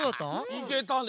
いけたね。